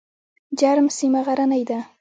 جرم سیمه غرنۍ ده؟